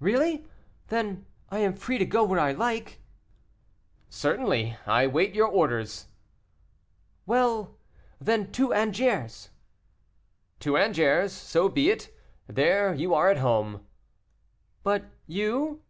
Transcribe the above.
"Really, then, I am free to go where I like?" "Certainly, I wait your orders." "Well, then, to Angers." "To Angers; so be it, there you are at home." "But you?"